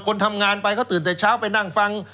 คนทำงานไปเขาตื่นแต่เช้าไปนั่งฟัง